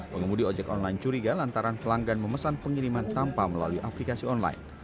pengemudi ojek online curiga lantaran pelanggan memesan pengiriman tanpa melalui aplikasi online